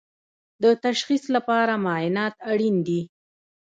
د تشخیص لپاره معاینات اړین دي